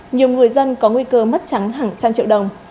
nhiều người dân có nguy cơ mất trắng hàng trăm triệu đồng